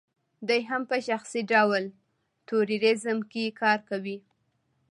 دی هم په شخصي ډول ټوریزم کې کار کوي.